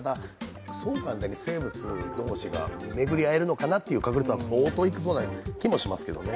ただ、生物同士が巡り会えるのかなという確率は相当いきそうな気がしますけどね。